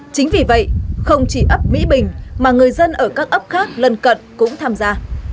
chính vì vậy không chỉ ấp mỹ bình mà người dân ở các ấp khác lân cận cũng tham gia